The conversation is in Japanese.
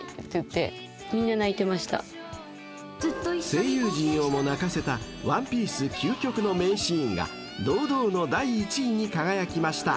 ［声優陣をも泣かせた『ワンピース』究極の名シーンが堂々の第１位に輝きました］